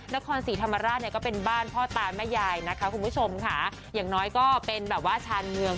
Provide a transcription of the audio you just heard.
นครศรีธรรมราชเนี่ยก็เป็นบ้านพ่อตาแม่ยายนะคะคุณผู้ชมค่ะอย่างน้อยก็เป็นแบบว่าชานเมือง